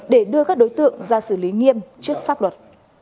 để đưa các đối tượng ra xử lý nghiêm trước pháp luật